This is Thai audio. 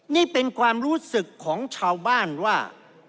นี่เป็นความรู้สึกของชาวบ้านว่า